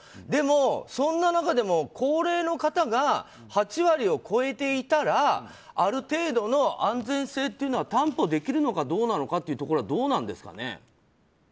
でも、そんな中でも高齢の方が８割を超えていたらある程度の安全性というのは担保できるのかどうなのかというところはどうなんですかね。